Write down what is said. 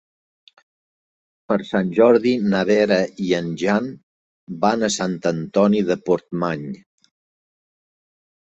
Per Sant Jordi na Vera i en Jan van a Sant Antoni de Portmany.